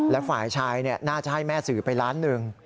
และฝ่ายชายน่าจะให้แม่สื่อไปล้านหนึ่ง